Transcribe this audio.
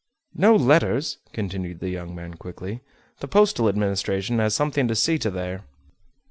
"No letters!" continued the young man quickly. "The postal administration has something to see to there."